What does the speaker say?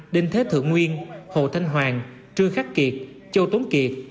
đinh thế thượng nguyên hồ thanh hoàng trương khắc kiệt châu tốn kiệt